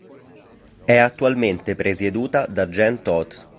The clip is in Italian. È attualmente presieduta da Jean Todt.